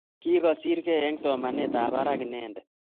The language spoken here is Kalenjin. Kigosirgee eng somanetab barak inendet